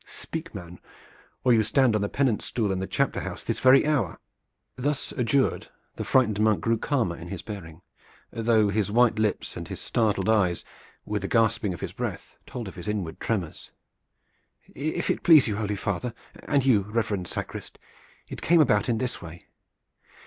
Speak, man, or you stand on the penance stool in the chapter house this very hour!" Thus adjured, the frightened monk grew calmer in his bearing, though his white lips and his startled eyes, with the gasping of his breath, told of his inward tremors. "If it please you, holy father, and you, reverend sacrist, it came about in this way.